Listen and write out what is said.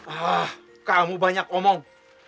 ah kamu banyak omong